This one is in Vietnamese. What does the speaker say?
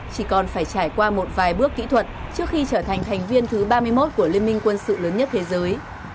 chỉ còn phải trải qua một vài bước kỹ thuật trước khi trở thành thành viên thứ ba mươi một của liên minh quân sự lớn nhất thế giới